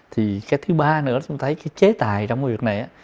thì cái thứ ba nữa là chúng ta thấy cái chế tài trong cuộc việc này